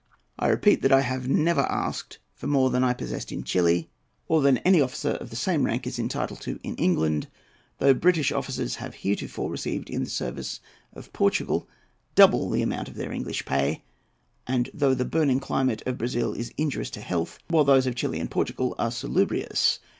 I repeat that I have never asked for more than I possessed in Chili, or than any officer of the same rank is entitled to in England; though British officers have heretofore received in the service of Portugal double the amount of their English pay; and though the burning climate of Brazil is injurious to health, while those of Chili and Portugal are salubrious.